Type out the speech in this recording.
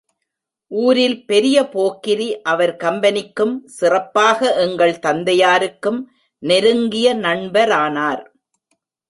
ஊரில் பெரிய போக்கிரி அவர் கம்பெனிக்கும், சிறப்பாக எங்கள் தந்தையாருக்கும் நெருங்கிய நண்பரானார்.